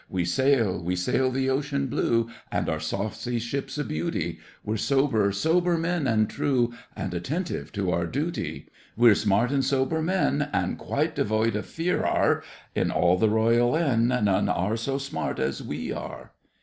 We sail, we sail the ocean blue, And our saucy ship's a beauty. We're sober, sober men and true And attentive to our duty. We're smart and sober men, And quite devoid of fe ar, In all the Royal N. None are so smart as we are.